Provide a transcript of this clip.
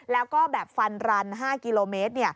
แล้วก็แบบฟันรัน๕กิโลเมตร